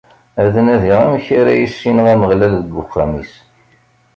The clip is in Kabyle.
Ad nadiɣ amek ara issineɣ Ameɣlal deg uxxam-is.